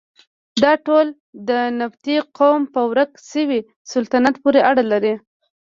دا ټول د نبطي قوم په ورک شوي سلطنت پورې اړه لري.